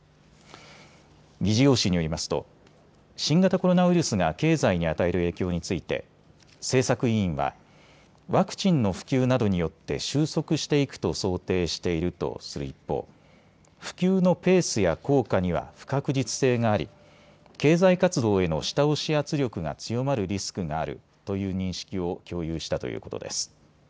議事要旨によりますと新型コロナウイルスが経済に与える影響について政策委員はワクチンの普及などによって収束していくと想定しているとする一方、普及のペースや効果には不確実性があり経済活動への下押し圧力が強まるリスクがあるという認識を共有したということです。